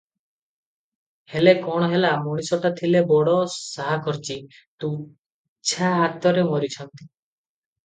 ହେଲେ କଣ ହେଲା, ମଣିଷଟା ଥିଲେ ବଡ଼ ସାହାଖର୍ଚ୍ଚୀ, ତୁଛା ହାତରେ ମରିଛନ୍ତି ।